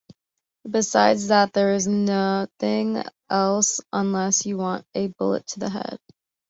Besides that there is nothing else unless you want a bullet to the head.